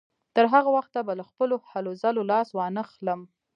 تر هغه وخته به له خپلو هلو ځلو لاس وانهخلم.